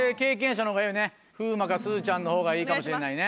風磨かすずちゃんの方がいいかもしれないね。